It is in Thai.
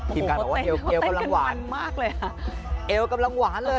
ครูเอวกำลังหวานเลย